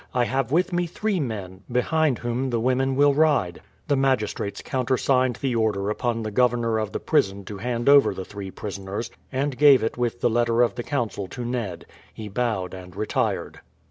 "I have with me three men, behind whom the women will ride." The magistrates countersigned the order upon the governor of the prison to hand over the three prisoners, and gave it with the letter of the Council to Ned. He bowed and retired.